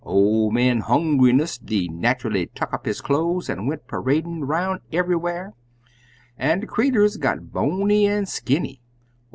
Ol' man Hongriness des natchally tuck of his cloze an' went paradin' 'bout eve'ywhar, an' de creeturs got bony an' skinny.